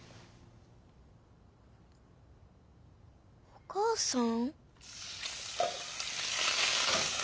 お母さん？